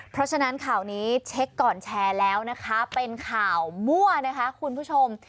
เพราะฉะนั้นข่าวนี้เช็คก่อนแชร์แล้วนะคะเป็นข่าวมั่วนะคะคุณผู้ชม